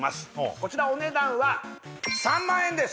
こちらお値段は３万円です